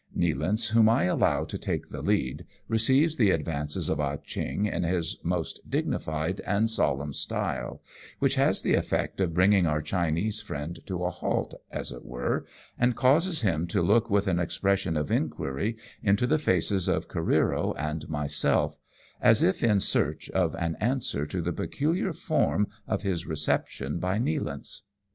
Nealance, whom I allow to take the lead, receives the advances of Ah Cheong in his most dignified and solemn style, which has the effect of bringing our Chinese friend to a halt, as it were, and causes him to look with an expression of inquiry into the faces of Careero and myself, as if in search of an answer to the peculiar form of his reception by Nealance.